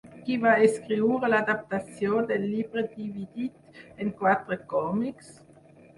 Qui va escriure l'adaptació del llibre dividit en quatre còmics?